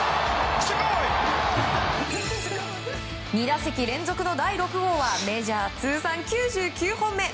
２打席連続の第６号はメジャー通算９９本目。